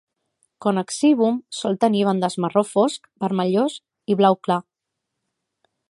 Connexivum sol tenir bandes marró fosc, vermellós i blau clar.